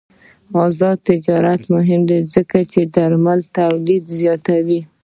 آزاد تجارت مهم دی ځکه چې درمل تولید زیاتوي.